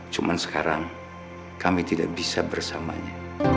cuma sekarang kami tidak bisa bersamanya